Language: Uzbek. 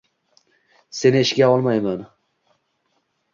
Seni ishga olmayman